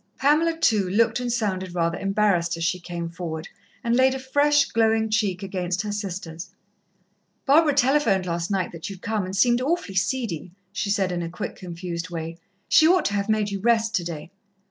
Pamela, too, looked and sounded rather embarrassed as she came forward and laid a fresh, glowing cheek against her sister's. "Barbara telephoned last night that you'd come, and seemed awfully seedy," she said in a quick, confused way. "She ought to have made you rest today."